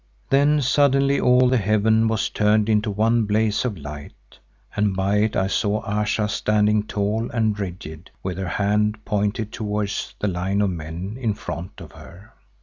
Then suddenly all the heaven was turned into one blaze of light, and by it I saw Ayesha standing tall and rigid with her hand pointed towards the line of men in front of her.